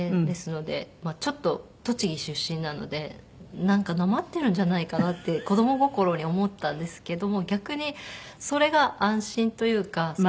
ですのでちょっと栃木出身なのでなんかなまってるんじゃないかなって子供心に思ったんですけども逆にそれが安心というか。